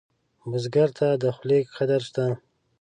بزګر ته د خولې قدر شته